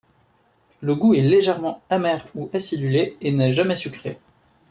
Le goût est légèrement amer ou acidulé et n'est jamais sucré.